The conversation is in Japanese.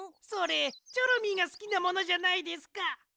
それチョロミーがすきなものじゃないですか！